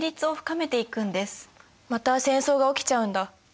また戦争が起きちゃうんだ。